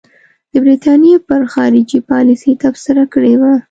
د برټانیې پر خارجي پالیسۍ تبصره کړې ده.